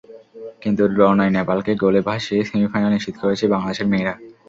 কিন্তু ড্র নয়, নেপালকে গোলে ভাসিয়েই সেমিফাইনাল নিশ্চিত করেছে বাংলাদেশের মেয়েরা।